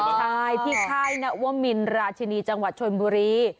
ใช่ที่ค่ายนวมินราชินีจังหวัดชนบุรี